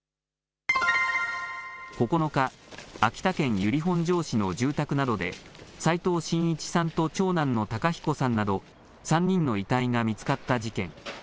９日、秋田県由利本荘市の住宅などで、齋藤真一さんと長男の孝彦さんなど、３人の遺体が見つかった事件。